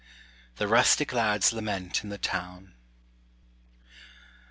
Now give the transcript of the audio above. THE RUSTIC LAD'S LAMENT IN THE TOWN.